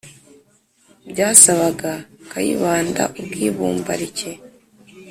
byasabaga kayibanda ubwibombalike.